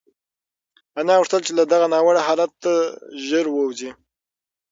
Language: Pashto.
انا غوښتل چې له دغه ناوړه حالته ژر ووځي.